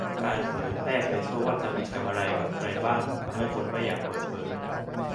การเผยแพร่ไปทั่วว่าทำกิจกรรมอะไรกับใครบ้าง ทำให้คนไม่อยากเปิดเผย